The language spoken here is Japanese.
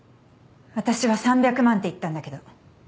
私は３００万って言ったんだけど。